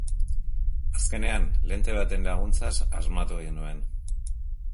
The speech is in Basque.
Azkenean, lente baten laguntzaz, asmatu egin nuen.